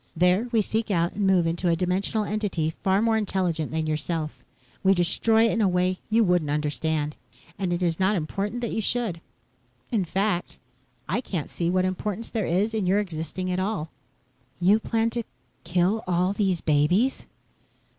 There, we seek out and move into a dimensional entity far more intelligent than yourself. We destroy it in a way you wouldn't understand, and it is not important that you should. In fact, I can't see what importance there is in your existing at all." "You plan to kill all these babies?"